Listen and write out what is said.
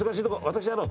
私あの。